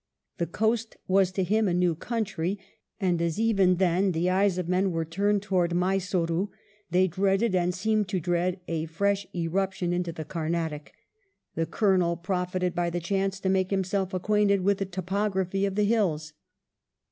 The coast was to him a new country, and as even then the eyes of men were turned towards Mysore, and they dreaded or seemed to dread a fresh irruption into the Carnatic, the colonel profited by the chance to make himself acquainted with the topo graphy of the hills.